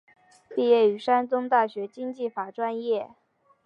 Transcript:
毕业于山东大学经济法专业。